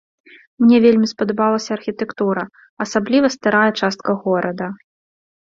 Мне вельмі спадабалася архітэктура, асабліва старая частка горада.